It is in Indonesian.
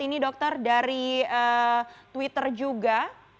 ini dokter dari twitter juga